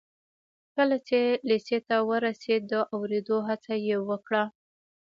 کله چې لېسې ته ورسېد د اورېدو هڅه یې وکړه